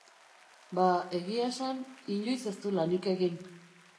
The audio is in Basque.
Ba, egia esan, inoiz ez du lanik egin.